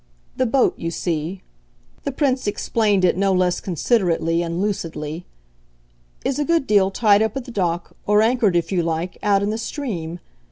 The 'boat,' you see" the Prince explained it no less considerately and lucidly "is a good deal tied up at the dock, or anchored, if you like, out in the stream.